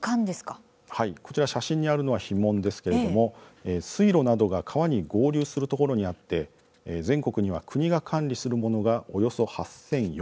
こちら、写真にあるのは樋門ですけれども水路などが川に合流するところにあって全国には国が管理するものがおよそ８４００。